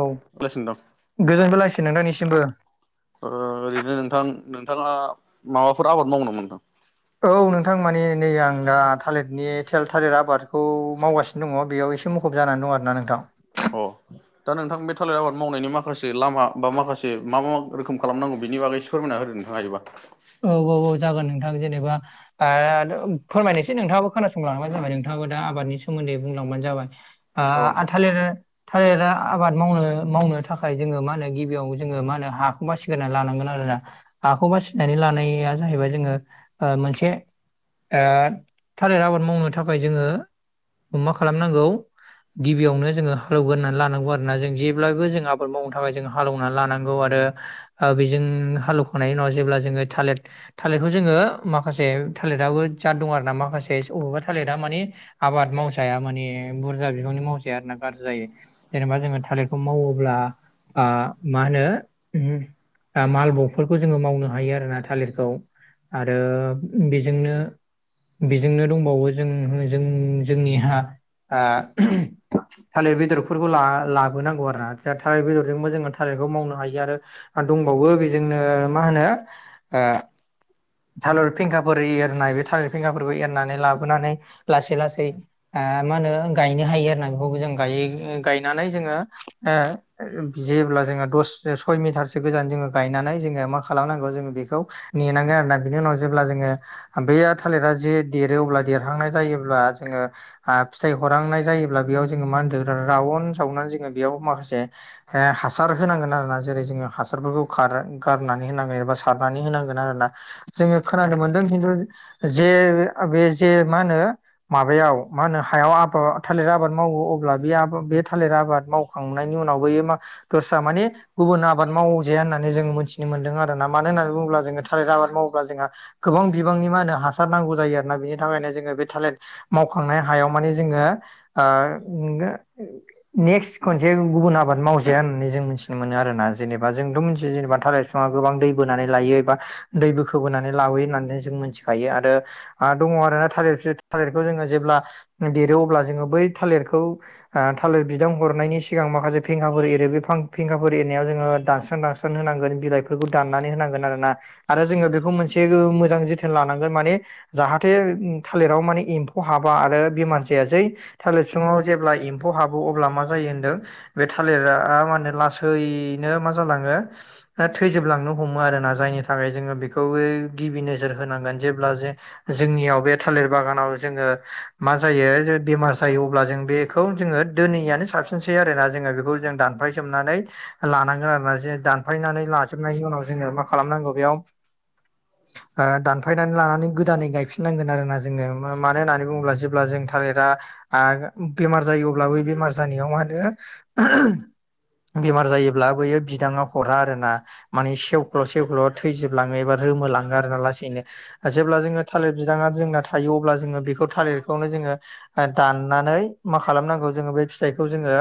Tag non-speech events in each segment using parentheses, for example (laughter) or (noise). औ लासिनो दं गोजोनबोलायसि नोंथांनिसिमबो ओ ओरैनो नोंथां- नोंथाङा माबाफोर आबाद मावनो मोनदों औ नोंथां मानि नै आं दा थालिरनि थेल थालिर आबादखौ मावगासिनो दङ बेयाव एसे मुुखुब जानानै दं आरो ना नोंथां अ दा नोंथां बे थालिर आबाद मावनायनि माखासे लामा बा माखासे मा -मा रोखोम खालामनांगौ बेनि बागै स फोरमायना होदो नोंथां हायोबा औ -औ -औ जागोन नोंथां जेनेबा ओ फोरमायनोसै नोंथाङाबो खोनासंलांबानो जाबाय नोंथाङाबो दा आबादनि सोमोन्दै बुंलांबानो जाबाय ओ औ नोंथां आथालिर थालिरा आबाद मावनो -मावनो थाखाय जोङो मा होनो गिबियाव जोङो मा होनो हाखौ बासिगोरना लानांगोन आरोना हाखौ बासिनानै लानाया जाहैबाय जोङो ओ मोनसे ओ थालिर आबाद मावनो थाखाय जोङो मा खालामनांगौ गिबियावनो जोङो हालेवगोर होननानै लानांगौ आरोना जों जेब्लायबो जों आबाद मावनो थाखाय जों हालौनानै लानांगौ आरो ओ बेजों हालेवखनायनि उनाव जेब्ला जोङो थालिर थालिरखौ जोङो माखासे थालिरिआबो जाद दं आर ना माखासे बबेावबा थालेरा मानि आबाद मावसाया माने बुरजा बिबांनि मावजाया आरो ना गाज्रि जायो जेनेबा जोङो थालिरखौ मावोब्ला आं मा होनो मालबगफोरखौ जोङो मावनो हायो आरोना थालिरखौ आरो बेजोंनो बेजोंनो दंबावो जों जों जोंनि हा थालिर बेदरफोरबो ला लाबोनांगौ आरोना थालिर बेदरजोंबो जोङो थालिरखौ मावनो हायो। आरो आरो दंबावो बिजोंनो मा होनो ओ थालिर फेंखाफोर होयो आरोना बे थालिर फेंखाफोरखौ एरनानै लाबोनानै लासै लासै, आ मा होनो गायनो हायो आरो ना बेखौ जों गायो गायनानै जोङो, ओ जेब्ला जोङो दस सय मिटारसो गोजान जोङो गायनानै जोङो मा खालामनांगौ जों, बेखौ नेनांगोन आरोना बिनि उनाव जेब्ला जोङो। बे थालिरा जे देरो अब्ला देरहांनाय जायोब्ला जोङो। आ फिथाइ हरांनाय जायोब्ला बेयाव जोङो मा होनदों रावन जावनानै जोङो बेयाव माखासे, हासार होनांगोन आरोना जेरै जोङो हासारफोरखौ खारो गारनानै होनांगोन एबा सारनानै होनांगोन आरो ना जोङो खोनानो मोनदों खिन्थु जे बे जे मा होनो, माबायाव मा होनो हायाव आब थालिर आबाद मावो अब्ला बे बे थालिर आबाद माव खांनायनि उनावबो इहो मा दस्रा माने गुबुन आबाद मावजाया होननानै जोंङो मिथिनो मोनदों आरो ना मानो होननानै बुङोब्ला जोङो थालिर आबाद मावोब्ला जोंहा, गोबां बिबांनि मा होनो हासार नांगौ जायो आरोना बिनि थाखायनो जोङो बे थालिर, मावखांनाय हायाव माने जोङो ओ गो नेक्स्ट खनसे गुबुन आबाद मावजाया होननानै जों मिथिनो मोनो आरोना जेनेबा जोंथ' मोनथियो जेनेबा थालिर, बिफाङा गोबां दै बोनानै लायो एबा दै बोखो बोनानै लाबोयो होननानै जों मिथिखायो आरो दङ आरो ना थालिर थालिरखौ जोङो जेब्ला देरो अब्ला जोङो बै थालिरखौ, थालिर बिदां हरनायनि सिगां माखासे फेंखाफोर एरो बे फेंखाफोर एरनायाव जोङो दानस्रां दानस्रां, होनांगोन बिलाइफोरखौ, दाननानै होनांगोन आरोना आरो जोङो बेखौ मोनसे मोजां जोथोन लानांगोन माने, जाहाथे थालिराव माने एम्फौ हाबा आरो बेमार जाया जै। थालिर बिफाङाव जेब्ला एम्फौ हाबो अब्ला मा जायो होनदों, बे थालिरा मान होनो लासैनो मा जालाङो थै, थैजोबलांनो हमो आरोना जायनि थाखाय जोङो बेखौ गिबि नोजोर होनांगोन जेब्ला जे जोंनियाव बे थालिर बागानाव जोङो मा जायो बेमार जायो अब्ला जों बे, बेखौ जोङो दोैनियानो साबसिनसै आरोना जोङो बेखौ जों दानफायजोबनानै, लानांगोन आरोना जे दानफायनानै लाजोबनायनि उनाव जोङो मा खालामनांगौ बेयाव, (inaudible) ओ दानफायनानै लानानै गोदानै गायफिननांगोन आरोना जोङो मानो होननानै बुङोब्ला जेब्ला जों थालिरा, आरो बेमार जायो अब्लाबो बेमार जानायाव मानो, बेमार जायोब्ला बैयो बिदांआव हरा आरो ना, माने सेवख्ल सेवख्ल थैजोबलाङो एबा रोमोलाङो आरोना लासैनो, जेब्ला जोङो थालिर बिदाङा जोंना थायो अब्ला जोङो बेखौ थालिरखौनो जोङो, ओ दाननानै मा खालामनांगौ जोङो बे फिथाइखौ जोङो।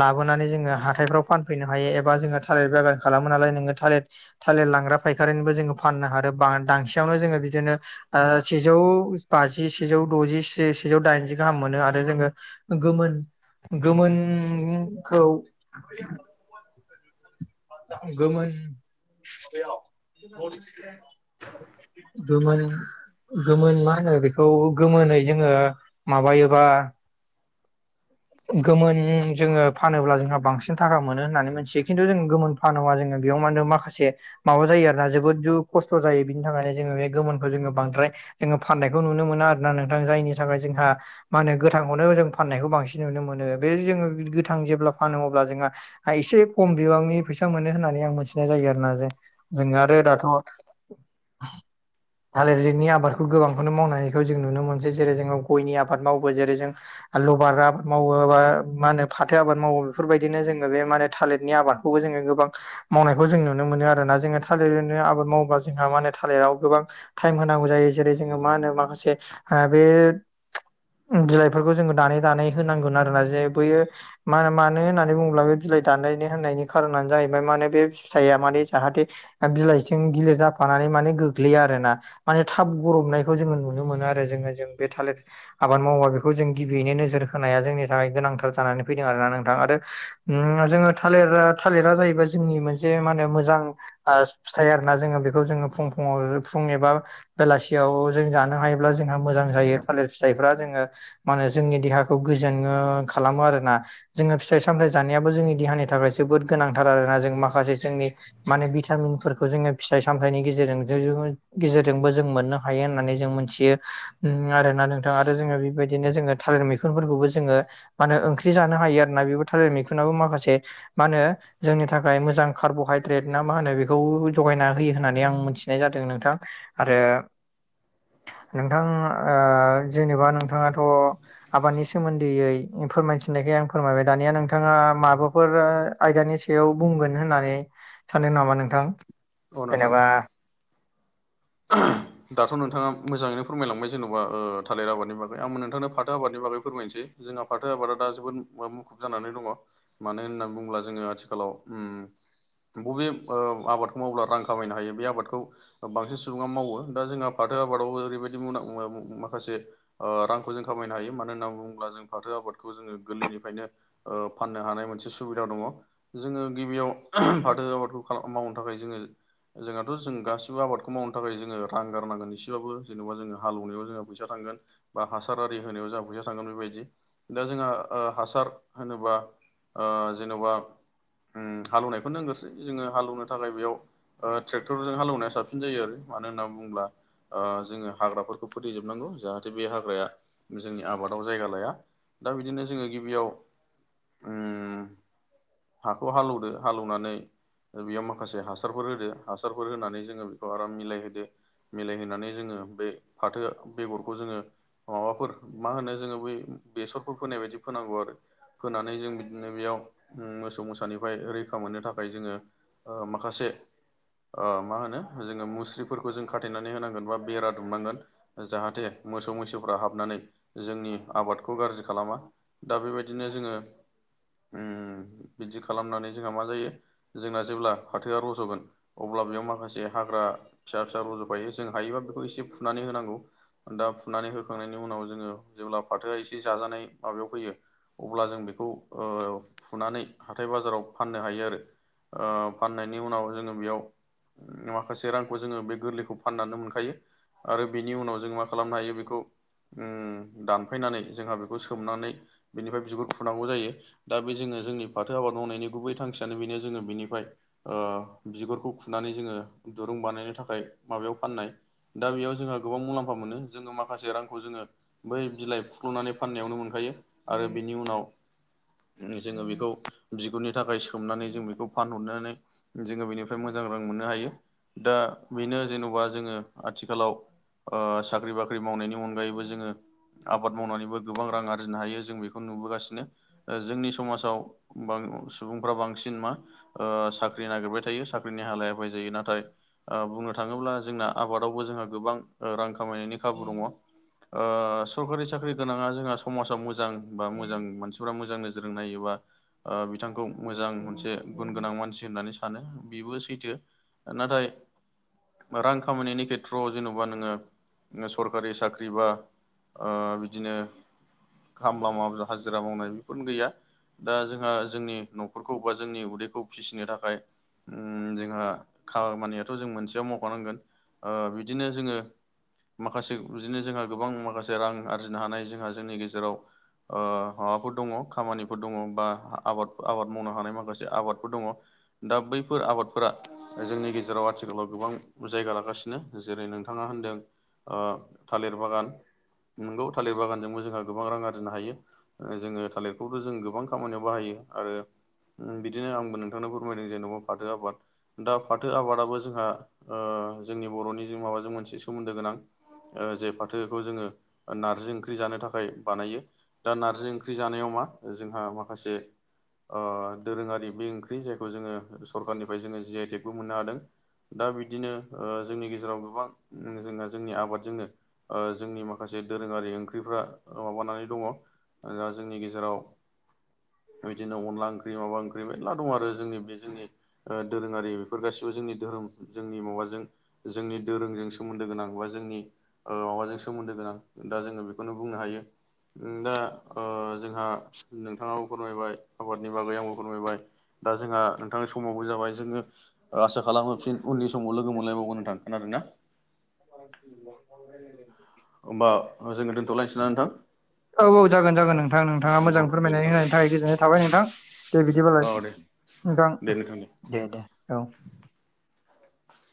लाबोनानै जोङो हाथाइफ्राव फानफैनो हायो एबा जोङो थालिर बागान खालामो नालाय नोङो। थालिर थालिर लांग्रा फायखारिनिबो जोङो फाननो हादों बा दांसेयावनो जोङो बिदिनो, ओ सेजौ बाजि सेजौ द'जि सेजौ दाइनजि गाहाम मोनो आरो जोङो, गोमोन गोमोनखौ, गोमोन (unintelligible) गोमोन, गोमोन मा होनो बेखौ गोमोनै जोङो माबायोबा, गोमोन जोङो फानोब्ला जोंहा बांसिन थाखा मोनो होननानै मिथियो खिन्थु जों गोमोन, फानोबा जोङो बेयाव मा होनो माखासे माबा जायो आरोना जोबोद जु खस्थ' जायो बिनि थाखायनो जोङो बे गोमोनखौ जोङो बांद्राय, जोङो फाननायखौ नुनो मोना आरोना नोंथां जायनि थाखाय जोंहा, मा होनो गोथांखौनो जों फाननायखौ बांसिन नुनो मोनो बे जोङो गोथां जेब्ला फानो अब्ला जोहा, आ एसे खम बिबांनि, फैसा मोनो होननानै आं मिथिनाय जायो आरोना जे जों आरो दाथ' थालिरनि आबादखौ गोबांखौनो मावनायखौ जों नुनो मोनसै जेरै जोङो गयनि आबाद मावो जेरै जों लबार आबाद मावो बा मा होनो फाथो आबाद मावो बेफोरबायदिनो जोङो बे माने थालिरनि आबाद। खौबो जोङो गोबां मावनायखौ जों नुनो मोनो आरोना जोङो थालिरनो आबाद मावोबा जोंहा माने थालिराव गोबां टाइम होनांगौ जायो जेरै जोङो मा होनो माखासे बे बिलाइफोरखौ जोङो दानै दानै होनांगोन आरोना जे बैयो मा मानो होननानै बुङोब्ला बे बिलाइ दानायनो होननायनि खारनानो जाहैबाय माने बे फिथाइया माने जाहाथे बिलाइजों गिलिर जाफानानै माने गोग्लैया आरो ना माने थाब गरबनायखौ जोङो नुनो मोनो आरो जोङो जों बे थालिर आबाद मावबा बेखौ जों गिबियैनो नोजोर होनाया जोंनि थाखाय गोनांथार जानानै फैदों आरोना नोंथां आरो जोङो थालिर थालिरा जाहैबाय जोंनि मोनसे मा होनो मोजां ओ फिथाइ आरोना जोङो बेखौ जोङो फुं फुङाव फुंनि एबा बेलासियाव जों जानो हायोब्ला जोंहा मोजां जायो थालिर फिथाइफ्रा जोङो मा होनो जोंनि देहाखौ गोजोन खालामो आरोना जोङो फिथाइ सामथाय जानायाबो जोंनि देहानि थाखाय जोबोद गोनांथार आरोना जों माखासे जोंनि माने भिटामिनफोरखौ जोङो फिथाइ सामथाइनि गेजेरजों गेजेरजोंबो जों मोननो हायो होननानै जों मोनथियो उम आरोना नोंथां आरो जोङो बेबायदिनो जोङो थालिर मैखुनफोरखौबो जोङो मा होनो ओंख्रि जानो हायो आरोना बेबो थालिर मैखुनाबो माखासे मा होनो जोंनि थाखाय मोजां कार्ब'हाइद्रेट ना मा होनो बेखौ जगायना होयो होननानै आं मिथिनाय जादों नोंथां आरो नोंथां ओ जेनेबा नोंथांङाथ' आबादनि सोमोन्दैयै फोरमायथिननायखाय आं फोरमायबाय दानिया नोंथांङा माबाफोर आयदानि सायाव बुंगोन होननानै सानदों नामा नोंथां? औ नोंथां जेनेबा (unintelligible) दाथ' नोंथाङा मोजाङैनो फोरमायलांबाय जेन'बा ओ थालिर आबादनि बागै आंबो नोंथांनो फाथो आबादनि बागै फोरमायनोसै जोंहा फाथो आबादा दा जोबोद मुखुब जानानै दङ मानो होननानै बुङोब्ला जोङो आथिखालाव उम बबे ओ आबादखौ मावब्ला रां खामायनो हायो बे आबादखौ बांसिन सु सुबुङा मावो दा जोंहा फाथो आबादावबो ओरैबायदि म माखासे ओ रांखौ जों खामायनो हायो मानो होनना बुङोब्ला जों फाथो आबादखौ जोङो गोरलैनिफ्रायनो ओ फाननो हानाय मोनसे सुबिदा दङ जोङो गिबियाव फाथो आबादखौ खा-मावनो थाखाय जोङो जोंहाथ' जों गासिबो आबादखौ खोम मावनो थाखाय जोङो रां गारनांगोन एसेबाबो जेनेबा जोङो हाल एवनायाव जोङो फैसा थांगोन। बा हासार आरि होनायाव जा फैसा थांगोन बेबायदि दा जोंहा हासार होनोबा ओ जेन'बा उम हाल एवनायखौनो होनग्रोसै जोङो हाल‌ एवनो थाखाय बेयाव ओ ट्रेक्टरजों हाल एवनाया साबसिन। साबसिन जायो आरो मानो होनना बुङोब्ला ओ जोङो हाग्राफोरखौ फोथै जोबनांगौ जाहाथे बे हाग्राया जोंनि आबादाव जायगा लाया दा बिदिनो जोङो गिबियाव उम हाखौ हाल एवदो हालेवनानै बेयाव माखासे हासारफोर होदो हासारफोर होनानै जोङो बेखौ आराम मिलायहोदो मिलाय होनानै जोङो बे फाथो बेगरखौ जोङो माबाफोर मा होनो जोङो बै बेसरफोर फोनाय बायदि फोनांगौ आरो फोनानै जों बिदिनो बेयाव मोसौ मोसानिफ्राय रैखा मोननो थाखाय जोङो माखासे ओ मा होनो जोङो मुस्रिफोरखौ जों खाथेनानै होनांगोन बा बेरा दुमनांगोन जाहाथे मोसौ मैसोफ्रा हाबनानै जोंनि आबादखौ गाज्रि खालामा दा बेबायदिनो जोङो उम बिदि खालामनानै जोंहा मा जायो जोंना जेब्ला फाथोआ रज'गोन अब्ला बेयाव माखासे हाग्रा फिसा फिसा रज'फायो जों हायोबा बेखौ एसे फुनानै होनांगौ। दा फुनानै होखांनायनि उनाव जोङो जेब्ला फाथोआ एसे जाजानाय माबायाव फैयो अब्ला जों बेखौ ओ फुनानै हाथाय बाजाराव फाननो हायो आरो। ओ फाननायनि उनाव जोङो बेयाव मा खासे रांखौ जोङो बे गोरलैखौ फाननानै मोनखायो आरो बेनि उनाव जों मा खालामनो हायो बेखौ उम दानफायनानै जोंहा बेखौ सोमनानै बेनिफ्राय बिगुर फुनांगौ जायो। दा बे जोङो जोंनि फाथो आबाद मावनायनि गुबै थांखियानो बेनो जोङो बेनिफ्राय ओ बिगुरखौ खुनानै जोङो दुरुं बानायनो थाखाय माबायाव फाननाय। दा बेयाव जोंहा गोबां मुलाम्फा मोनो जोङो माखासे रांखौ जोङो बै बिलाइ फुख्ल'नानै फाननायावनो मोनखायो आरो बिनि उनाव जोङो बेखौ बिगुरनि थाखाय सोमनानै जों बेखौ फानहरनानै जोङो बेनिफ्राय मोजां रां मोननो हायो। दा बेनो जेन'बा जोङो आथिखालाव ओ साख्रि बाख्रि मावनायनि अनगायैबो जोङो आबाद मावनानैबो गोबां रां आरजिनो हायो जों बे खौ नुबोगासिनो ओ जोंनि समाजाव बां सुबुंफ्रा बांसिन मा ओ साख्रि नागिरबाय थायो साख्रिनि हालाय हाफाय जायो नाथाय ओ बुंनो थाङोब्ला जोंना आबादावबो जोंहा गोबां रां खामायनायनि खाबु दङ। ओ सरकारि साख्रि गोनाङा जोंहा समाजाव मोजां बा मोजां मानसिफोरा मोजां नोजोर जों नायोबा बिथांखौ मोजां मोनसे गुन गोनां मानसि होननानै सानो बिबो सैथो, नाथाय रां खामायनायनि खेथ्रआव जेन'बा नोङो सरकारि साख्रि बा ओ बिदिनो खामला मावनाय हाजिरा मावनाय बेफोरो गैया। दा जोंहा जोंनि न'खरखौ बा जोंनि उदैखौ फिसिनो थाखाय उम जोंहा खामानियाथ' जों मोनसेयाव मावखानांगोन। ओ बिदिनो जोङो माखासे बिदिनो जोंहा गोबां माखासे रां आरजिनो हानाय जोंहा जोंनि गेजेराव ओ माबाफोर दङ खामानिफोर दङ बा आबाद आबाद मावनो हानाय माखासे आबादफोर दङ। दा बैफोर आबादफोरा जोंनि गेजेराव आथिखालाव गोबां जायगा लागासिनो जेरै नोंथाङा होनदों थालिर बागान। नोंगौ थालिर बागानजोंबो जोंहा गोबां रां आरजिनो हायो। ओ जोङो थालिरखौथ' जों गोबां खामानियाव बाहायो आरो ओ बिदिनो आंबो नोंथांनो फोरमायदों जेन'बा फाथो आबाद। दा फाथो आबादाबो जोंहा ओ जोंनि बर'निजों माबाजों मोनसे सोमोन्दो गोनां। ओ जे फाथोखौ जोङो नारजि ओंख्रि जानो थाखाय बानायो। दा नारजि ओंख्रि जानायाव मा जोंहा माखासे ओ दोरोङारि बे ओंख्रि जायखौ जोङो सरखारनिफ्राय जोङो जि आइ टेकबो मोननो हादों। दा बिदिनो ओ जोंनि गेजेराव गोबां जोंहा जोंनि आबादजोंनो ओ जोंनि माखासे दोरोङारि ओंख्रिफ्रा ओ माबानानै दङ। दा जोंनि गेजेराव बेबादिनो अनला ओंख्रि माबा ओंख्रि मेरला दं आरो जोंनि बे जोंनि ओ दोरोङारि बेफोर गासिबो जोंनि धोरोम जोंनि माबाजों जोंनि दोरोंजों सोमोन्दो गोनां बा जोंनि ओ माबाजों सोमोन्दो गोनां, दा जोङो बेखौनो बुंनो हायो। दा ओ जोंहा नोंथाङाबो फोरमायबाय आबाद नि बागै आंबो फोरमायबाय। दा जोंहा नोंथांनि समाबो जाबाय। जोङो आसा खालामो फिन उननि समाव लोगो मोनलायबावगोन नोंथां, खोनादोंना? (inaudible) होमबा जोङो दोन्थ'लायनोसै नोंथां? औ औ जागोन जागोन नोंथां, नोंथाङा मोजां औ दे फोरमायनानै नोंथां दे होनायनि थाखाय गोजोननाय थाबाय नोंथां। दे बिदिबालाय औ दे नोंथां, दे दे औ।